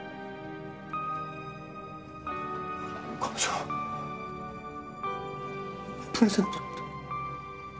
彼女プレゼントって。